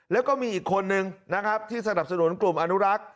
แล้วก็มีอีกคนนึงนะครับที่สนับสนุนกลุ่มอนุรักษ์